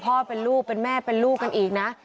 พ่อเป็นลูกเป็นแม่เป็นลูกกันอีกนะ